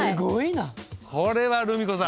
これはルミ子さん。